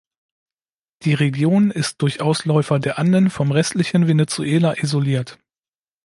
Die Region ist durch Ausläufer der Anden vom restlichen Venezuela isoliert.